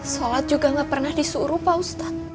sholat juga gak pernah disuruh rupa ustadz